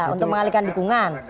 untuk mengalihkan dukungan